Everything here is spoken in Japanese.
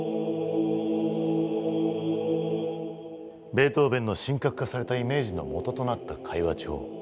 ベートーヴェンの神格化されたイメージのもととなった会話帳。